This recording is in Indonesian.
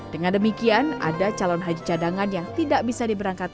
dengan demikian ada calon haji cadangan yang belum berangkat